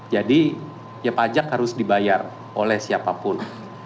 jadi ya pajak harus dibayar oleh siapapun